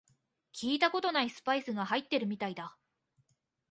聞いたことないスパイスが入ってるみたいだ